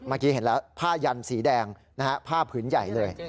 เมื่อกี้เห็นแล้วผ้ายันสีแดงนะฮะผ้าผืนใหญ่เลย